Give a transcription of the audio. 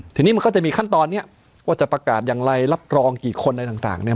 ทีนี้มันก็จะมีขั้นตอนนี้ว่าจะประกาศอย่างไรรับรองกี่คนอะไรต่างเนี่ย